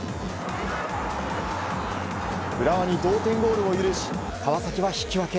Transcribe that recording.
浦和に同点ゴールを許し川崎は引き分け。